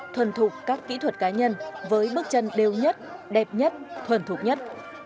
thuần thục các kỹ thuật cá nhân với bước chân đều nhất đẹp nhất thuần thuộc nhất